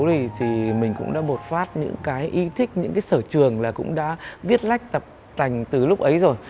thì mình cũng đã bột phát những cái ý thích những cái sở trường là cũng đã viết lách tập tành từ lúc ấy rồi